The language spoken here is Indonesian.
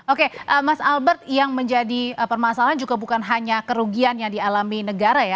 oke mas albert yang menjadi permasalahan juga bukan hanya kerugian yang dialami negara ya